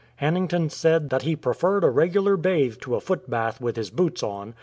Hannington said " that he preferred a regular bathe to a foot bath with his boots on.